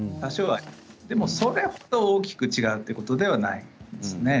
でも、それほど大きく違うということではないですね。